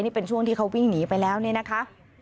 นี่เป็นช่วงที่เขาวิ่งหนีไปแล้วเนี่ยนะคะ